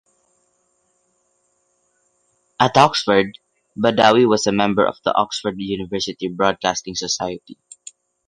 At Oxford, Badawi was a member of the Oxford University Broadcasting Society.